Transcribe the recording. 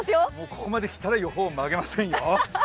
ここまで来たら予報を曲げませんよ。